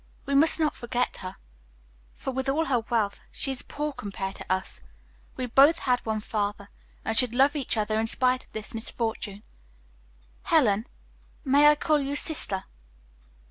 We must not forget her, for, with all her wealth, she is poor compared to us. We both had one father, and should love each other in spite of this misfortune. Helen, may I call you sister?"